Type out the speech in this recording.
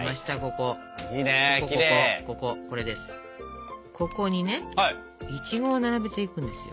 ここにねいちごを並べていくんですよ。